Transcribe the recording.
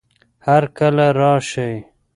هر کله راشئ